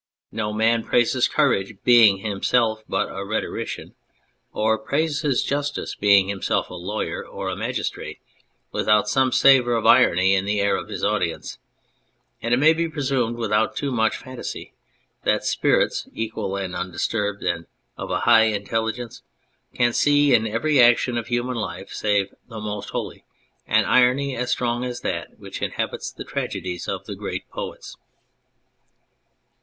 No man praises courage being himself but a rhetori cian, or praises justice being himself a lawyer or a magistrate, without some savour of irony in the air of his audience, and it may be presumed without too much phantasy that spirits equal and undisturbed and of a high intelligence can see in every action of human life save the most holy an irony as strong as that which inhabits the tragedies of the great poets.